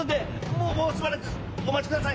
もうしばらくお待ちください